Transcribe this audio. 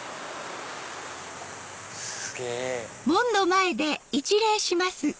すげぇ！